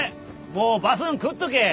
もうバスん来っとけ。